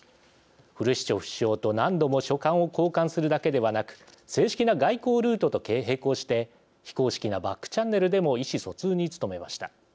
フルシチョフ首相と何度も書簡を交換するだけではなく正式な外交ルートと並行して非公式なバックチャンネルでも意思疎通に努めました。